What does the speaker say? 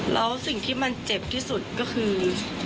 แล้วสิ่งที่มันเจ็บที่สุดก็คือ